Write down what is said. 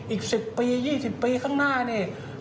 อีก๑๐ปี๒๐ปีข้างหน้านี่